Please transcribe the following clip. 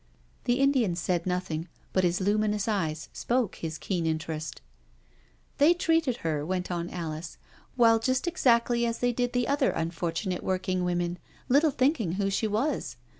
The Indian said nothing, but his luminous ieyes spoke his keen interest. •• They treated her," went on Alice, " well, just exactly as they did the other unfortunate working women, little thinking who she was.